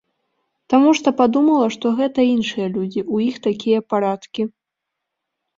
Таму што падумала, што гэта іншыя людзі, у іх такія парадкі.